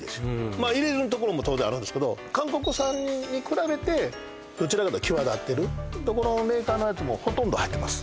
まあ入れるところも当然あるんですけど韓国産に比べてどちらかというと際立ってるどこのメーカーのやつもほとんど入ってます